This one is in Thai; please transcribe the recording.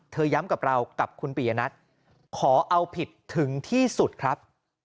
ย้ำกับเรากับคุณปียนัทขอเอาผิดถึงที่สุดครับ